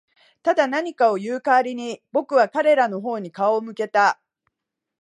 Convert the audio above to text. ただ、何かを言う代わりに、僕は彼らの方に顔を向けた。